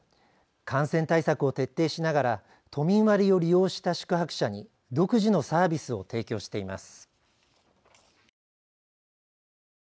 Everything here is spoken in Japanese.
感染対策を徹底しながら都民割を利用した宿泊者に独自のサービスを提供しています。